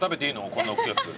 こんなおっきいやつ。